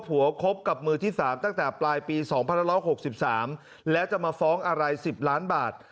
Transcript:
คบกับมือที่๓ตั้งแต่ปลายปี๒๑๖๓แล้วจะมาฟ้องอะไร๑๐ล้านบาท